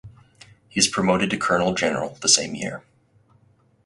He is promoted to colonel general the same year.